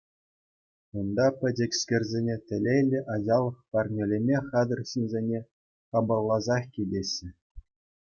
Унта пӗчӗкскерсене телейлӗ ачалӑх парнелеме хатӗр ҫынсене хапӑлласах кӗтеҫҫӗ.